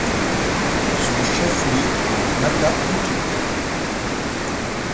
Son chef-lieu est Mata Utu.